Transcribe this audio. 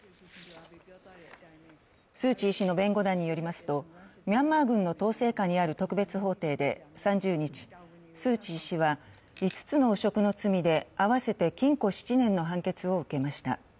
スー・チー氏の弁護団によりますとミャンマー軍の統制下にある特別法廷で３０日、スー・チー氏は５つの汚職の罪で合わせて禁錮７年の判決を受けました。